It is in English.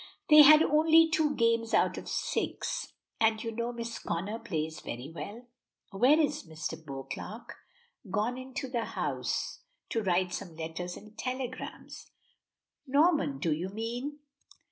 They had only two games out of the six; and you know Miss Connor plays very well." "Where is Mr. Beauclerk?" "Gone into the house to write some letters and telegrams." "Norman, do you mean?"